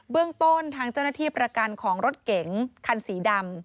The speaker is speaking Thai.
เรื่องต้นทางเจ้าหน้าที่ประกันของรถเก๋งคันสีดำ